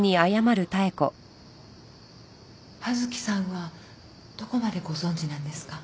刃月さんはどこまでご存じなんですか？